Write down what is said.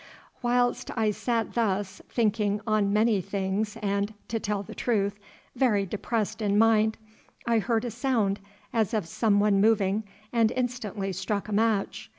Whilst I sat thus, thinking on many things and, to tell the truth, very depressed in mind, I heard a sound as of some one moving and instantly struck a match.